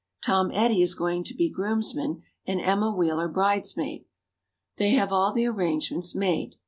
Tom Eddy is going to be groomsman and Emma Wheeler bridesmaid. They have all the arrangements made.